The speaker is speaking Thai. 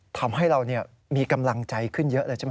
ทำให้เรามีกำลังใจขึ้นเยอะเลยใช่ไหม